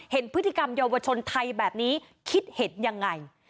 เห็นพฤติกรรมเยาวชนไทยแบบนี้คิดเห็นยังไง